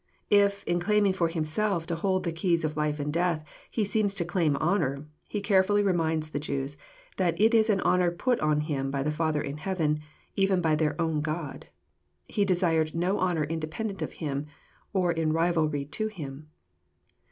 If, in claiming for Himself to hold the keys of life and death, He seemed to claim honour, He care fully reminds the Jews that it is an honour put on Him by the Father in heaven, even by their own God. He desired no honour independent of Him, or in rivalry to Him.